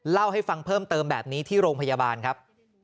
เล่าให้ฟังเพิ่มเติมแบบนี้ที่โรงพยาบาลครับ